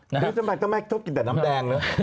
นี่ทำไมก็ไม่ชอบกินน้ำแดงเนอะ